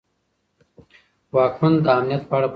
واکمن د امنیت په اړه پوښتنه وکړه.